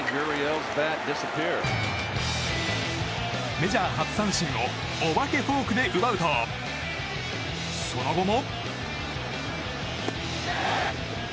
メジャー初三振をおばけフォークで奪うとその後も。